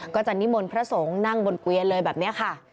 ก็จะนิมนต์พระสงฆ์นั่งบนเกวียนเลยแบบนี้ค่ะ